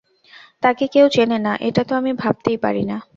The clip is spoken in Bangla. তাকে কেউ চেনে না, এটা তো আমি ভাবতেই পারি না।